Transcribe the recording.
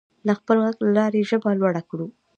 د خپل غږ له لارې ژبه لوړه کړو.